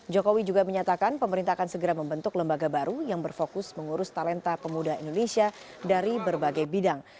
jokowi juga menyatakan pemerintah akan segera membentuk lembaga baru yang berfokus mengurus talenta pemuda indonesia dari berbagai bidang